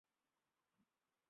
কী করছো তোমরা?